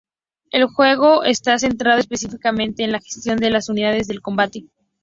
El juego está centrado específicamente en la gestión de las unidades de combate.